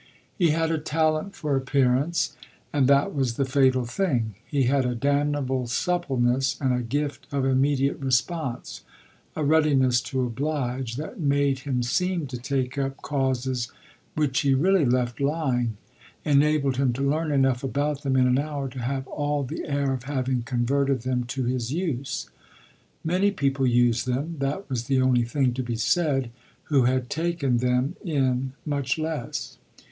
He had a talent for appearance, and that was the fatal thing; he had a damnable suppleness and a gift of immediate response, a readiness to oblige, that made him seem to take up causes which he really left lying, enabled him to learn enough about them in an hour to have all the air of having converted them to his use. Many people used them that was the only thing to be said who had taken them in much less.